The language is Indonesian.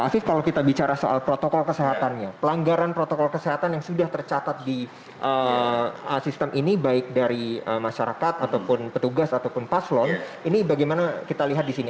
afif kalau kita bicara soal protokol kesehatannya pelanggaran protokol kesehatan yang sudah tercatat di sistem ini baik dari masyarakat ataupun petugas ataupun paslon ini bagaimana kita lihat di sini